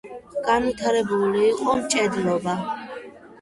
განვითარებული იყო მჭედლობა.